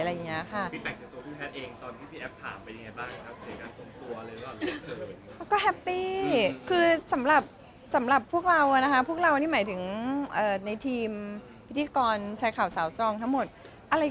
พี่แต่งเจอพี่แพทย์เองตอนพี่แอปถามเป็นยังไงบ้างครับ